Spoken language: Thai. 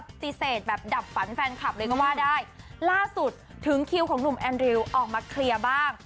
ปฏิเสธแบบดับฝันแฟนคลับเลยก็ว่าได้ล่าสุดถึงคิวของหนุ่มแอนริวออกมาเคลียร์บ้าง